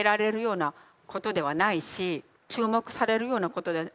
注目されるようなことではない。